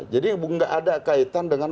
jadi nggak ada kaitan dengan